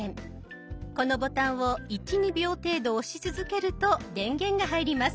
このボタンを１２秒程度押し続けると電源が入ります。